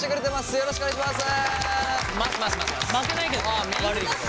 よろしくお願いします。